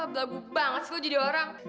blabu banget sih lo jadi orang